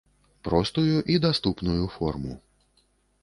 Простую і даступную форму.